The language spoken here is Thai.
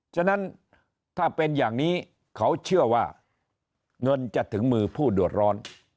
ฉะนั้นถ้าเป็นอย่างนี้เขาเชื่อว่าเงินจะถึงมือผู้เดือดร้อน